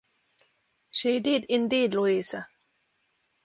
She did, indeed, Louisa.